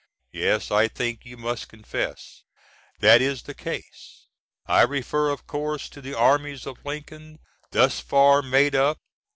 Yes, I think you must confess that is the case. I refer, of course, to the Armies of Lincoln thus far made up.